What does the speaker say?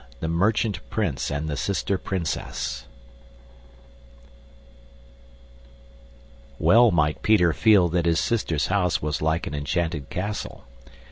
The Merchant Prince and the Sister Princess Well might Peter feel that his sister's house was like an enchanted castle.